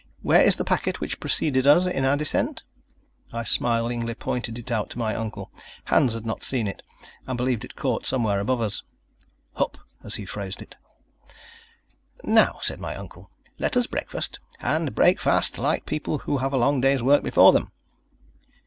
Where is the packet which preceded us in our descent?" I smilingly pointed it out to my uncle. Hans had not seen it, and believed it caught somewhere above us: "Huppe" as he phrased it. "Now," said my uncle, "let us breakfast, and break fast like people who have a long day's work before them."